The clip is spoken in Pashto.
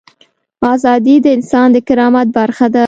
ازادي د انسان د کرامت برخه ده.